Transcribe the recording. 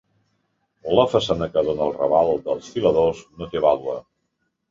La façana que dóna al raval dels Filadors no té vàlua.